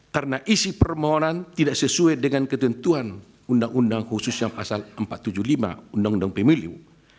karena isi permohonan tidak sesuai dengan ketentuan undang undang khusus yang pasal empat ratus tujuh puluh lima undang undang pemiliu